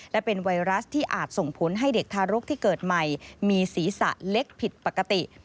และเป็นไวรัสที่อาจส่งผลให้เด็กทารกที่เกิดใหม่มีศีรษะเล็กผิดปกติ